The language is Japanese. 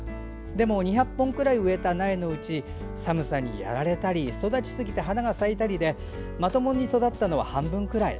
でも、２００本くらい植えた苗のうち、寒さにやられたり育ちすぎて花が咲いたりでまともに育ったのは半分くらい。